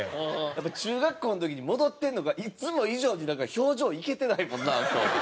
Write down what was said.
やっぱり中学校の時に戻ってるのかいつも以上になんか表情イケてないもんな今日。